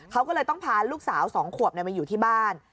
เขาก็เลยต้องพาลูกสาว๒ขวบมาอยู่ที่บ้าน